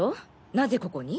なぜここに？